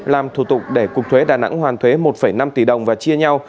làm thủ tục để cục thuế đà nẵng hoàn thuế một năm tỷ đồng và chia nhau